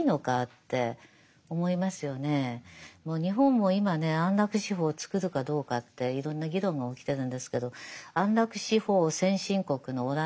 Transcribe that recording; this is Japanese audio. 日本も今ね安楽死法作るかどうかっていろんな議論が起きてるんですけど安楽死法先進国のオランダでですね